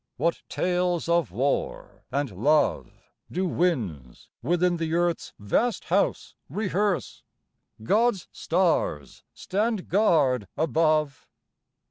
What tales of war and love Do winds within the Earth's vast house rehearse, God's stars stand guard above?